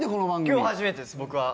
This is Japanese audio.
今日初めてです僕は。